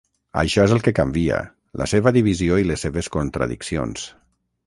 Això és el que canvia, la seva divisió i les seves contradiccions.